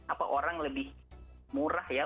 apa orang lebih murah ya